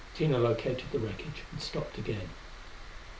Tina located the wreckage and stopped again.